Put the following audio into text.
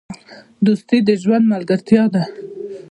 دوستي د ژوند ملګرتیا ده.